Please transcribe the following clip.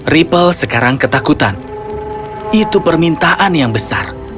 ripple sekarang ketakutan itu permintaan yang besar